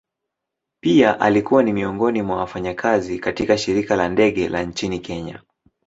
Pia alikuwa ni miongoni mwa wafanyakazi katika shirika la ndege la nchini kenya.